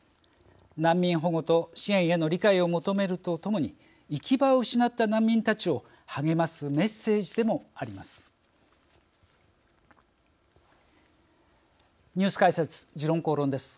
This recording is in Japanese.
難民保護と支援への理解を求めるとともに行き場を失った難民たちを励ますメッセージでもあります。